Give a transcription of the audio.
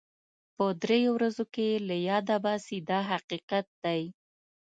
په دریو ورځو کې یې له یاده باسي دا حقیقت دی.